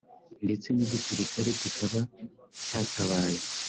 ndetse n’igisirikare kikaba cyatabaye